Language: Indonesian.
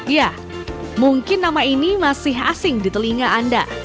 ya mungkin nama ini masih asing di telinga anda